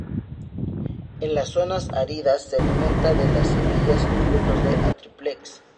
En las zonas áridas se alimenta de las semillas y frutos de "Atriplex".